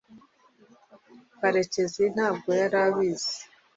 karekezi ntabwo yari abizi